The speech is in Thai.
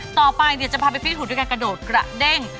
ต่อไปจะพาไปฟิตหุดด้วยการกระโดดกระเด้ง